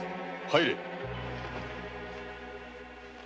入れ！